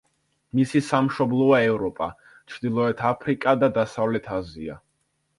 მისი სამშობლოა ევროპა, ჩრდილოეთ აფრიკა და დასავლეთ აზია.